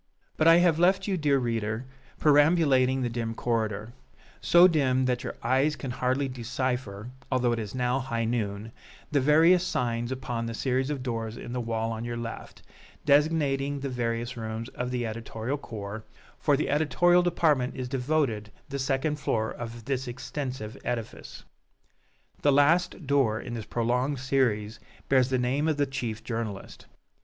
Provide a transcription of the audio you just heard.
But I have left you, dear reader, perambulating the dim corridor so dim that your eyes can hardly decipher, although it is now high noon, the various signs upon the series of doors in the wall on your left, designating the various rooms of the editorial corps, for to the editorial department is devoted the second floor of this extensive edifice. The last door in this prolonged series bears the name of the chief journalist.